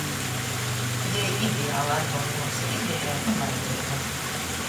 Jei ideāli atbylda myusu idejai un vajadzeibom.